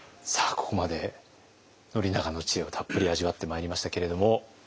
ここまで宣長の知恵をたっぷり味わってまいりましたけれども。